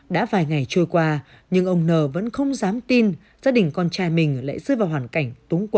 đã vài ngày trôi qua nhưng ông n vẫn không dám tin gia đình con trai mình lại dươi vào hoàn cảnh